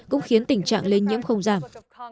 cũng khiến tình trạng lây nhiễm không giảm